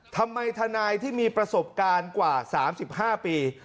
ทำไมทนายที่มีประสบการณ์กว่า๓๕ปี